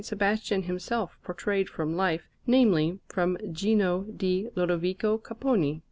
Sebastian himself portrayed from life namely, from Gino di Lodovico Capponi.